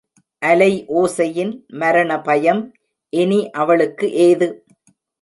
அலைஓசையின் மரணபயம் இனி அவளுக்கு ஏது?